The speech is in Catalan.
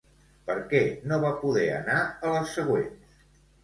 Per què no va poder anar a les següents?